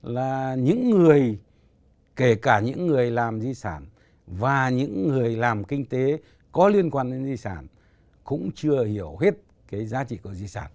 là những người kể cả những người làm di sản và những người làm kinh tế có liên quan đến di sản cũng chưa hiểu hết cái giá trị của di sản